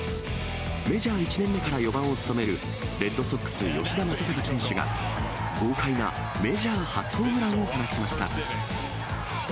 メジャー１年目から４番を務める、レッドソックス、吉田正尚選手が、豪快なメジャー初ホームランを放ちました。